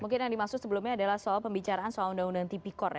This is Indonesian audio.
mungkin yang dimaksud sebelumnya adalah soal pembicaraan soal undang undang tipikor ya